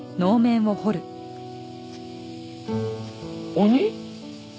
鬼？